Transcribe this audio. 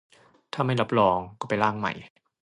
ถ้าไม่รับรอง ก็ไปร่างใหม่